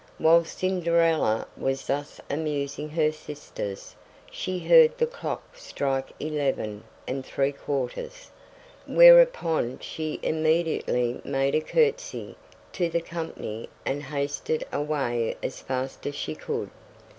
While Cinderella was thus amusing her sisters, she heard the clock strike eleven and three quarters, whereupon she immediately made a courtesy to the company and hasted away as fast as she could.